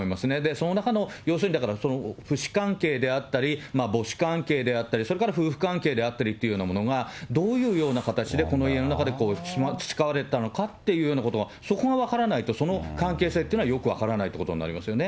その中の要するに、だから父子関係であったり、母子関係であったり、それから夫婦関係であったりっていうものが、どういうような形で、この家の中で培われていたのかっていうことが、そこが分からないと、その関係性というのはよく分からないということになりますよね。